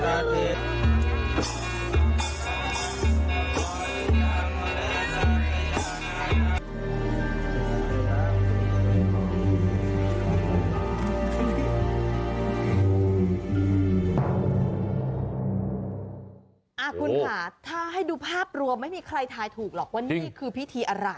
คุณค่ะถ้าให้ดูภาพรวมไม่มีใครทายถูกหรอกว่านี่คือพิธีอะไร